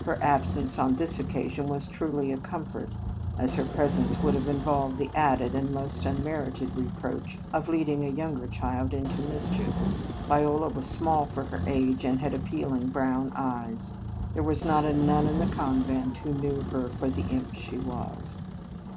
Her absence on this occasion was truly a comfort, as her presence would have involved the added and most unmerited reproach of leading a younger child into mis chief. Viola was small for her age, and had appealing brown eyes. There was not a nun in the convent who knew her for the imp she was.